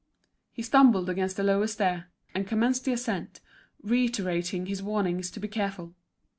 He stumbled against the lower stair, and commenced the ascent, reiterating his warnings to be careful.